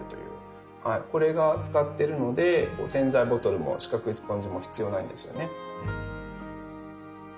これが使ってるので洗剤ボトルも四角いスポンジも必要ないんですよね。